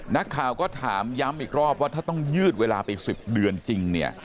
นักข่าวก็ถามย้ำอีกรอบว่าถ้าต้องยืดเวลาไป๑๐เดือนจริงเนี่ย